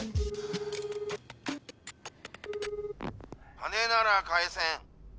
「金なら返せん」